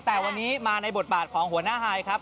แต่วันนี้มาในบทบาทของหัวหน้าฮายครับ